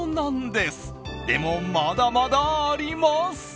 でも、まだまだあります。